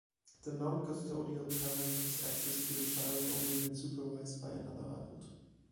The noncustodial parent has access to the child only when supervised by another adult.